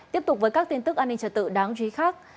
tiếp tục với các tin tức an ninh trở tự đáng chú ý khác